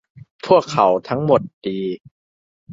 พวกเขาทั้งหมดดี